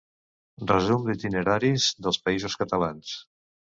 Resum d'itineraris dels països catalans.